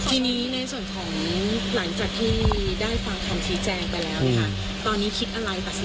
ทีนี้ในส่วนของหลังจากที่ได้ฟังคำสีแจงไปแล้วค่ะ